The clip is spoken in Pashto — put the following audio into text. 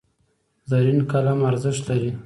زرین قلم ارزښت لري.